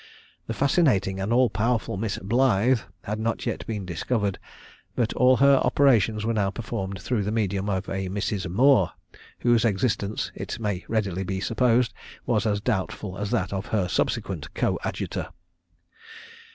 The fascinating and all powerful Miss Blythe had not yet been discovered, but all her operations were now performed through the medium of a Mrs. Moore, whose existence, it may readily be supposed, was as doubtful as that of her subsequent coadjutor.